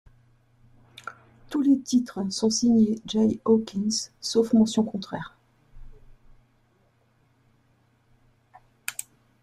Tous les titres sont signés Jay Hawkins, sauf mention contraire.